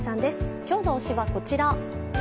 今日の推しはこちら。